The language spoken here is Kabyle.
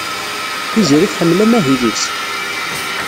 Tiziri tḥemmel amahil-is?